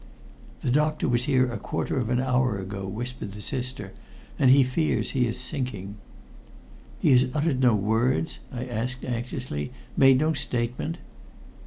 "The doctor was here a quarter of an hour ago," whispered the sister. "And he fears he is sinking." "He has uttered no words?" I asked anxiously. "Made no statement?"